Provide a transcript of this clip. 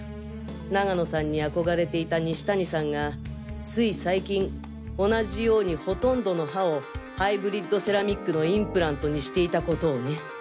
永野さんに憧れていた西谷さんがつい最近同じようにほとんどの歯をハイブリッドセラミックのインプラントにしていたことをね。